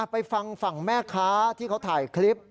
ไปฟังฝั่งแม่ค้าที่เขาถ่ายคลิป